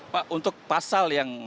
pak untuk pasal yang